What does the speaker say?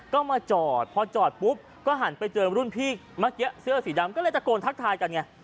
ก็มาจอดพอจอดปุ๊บก็หันไปเจอรุ่นพี่เมื่อกี้เสื้อสีดำก็เลยตะโกนทักทายกันไง